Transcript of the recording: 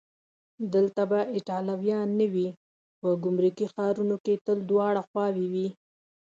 دلته به ایټالویان نه وي؟ په ګمرکي ښارونو کې تل دواړه خواوې وي.